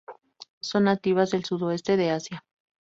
Son nativas del sudoeste de Asia.